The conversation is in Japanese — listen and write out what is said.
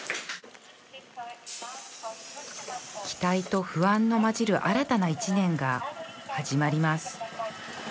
期待と不安のまじる新たな１年が始まります